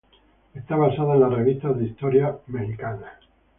Está basada en la revista de historietas mexicana.